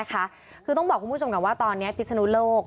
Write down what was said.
คือต้องบอกคุณผู้ชมก่อนว่าตอนนี้พิศนุโลก